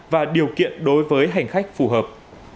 và điều kiện đối với hành khách phù hợp